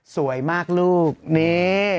สวยมากลูกนี่